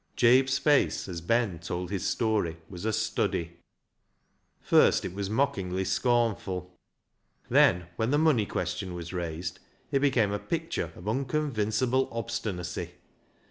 Jabe's face as Ben told his story was a study. First it was mockingly scornful. Then, when the money question was raised, it became a picture of unconvincible obstinacy.